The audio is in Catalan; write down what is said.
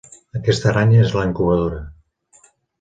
Aquesta aranya és la incubadora.